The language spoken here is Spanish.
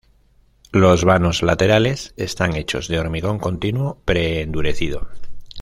Los vanos laterales están hechos de hormigón continuo pre-endurecido.